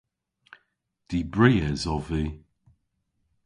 Dibries ov vy.